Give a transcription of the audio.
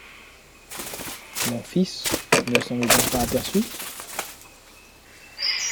Mon fils ne s’en est donc pas aperçu ?